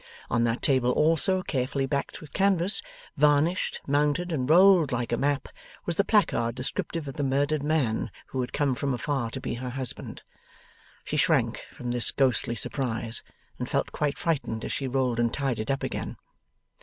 On that table also, carefully backed with canvas, varnished, mounted, and rolled like a map, was the placard descriptive of the murdered man who had come from afar to be her husband. She shrank from this ghostly surprise, and felt quite frightened as she rolled and tied it up again.